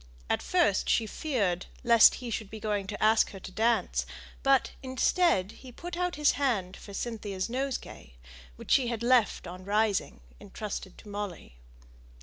At first she feared lest he might be going to ask her to dance; but, instead, he put out his hand for Cynthia's nosegay, which she had left on rising, entrusted to Molly.